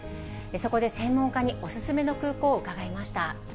そこで専門家にお勧めの空港を伺いました。